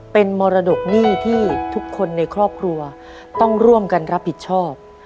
เป็นมรดกหนี้ที่ทุกคนในครอบครัวต้องร่วมกันรับผิดชอบ